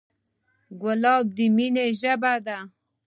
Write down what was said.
ګلاب د مینې ژبه ده.